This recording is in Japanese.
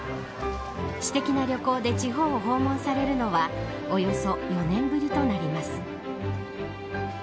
私的な旅行で地方を訪問されるのはおよそ４年ぶりとなります。